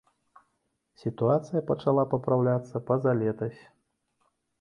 Сітуацыя пачала папраўляцца пазалетась.